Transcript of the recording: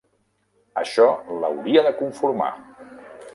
Això l'hauria de conformar!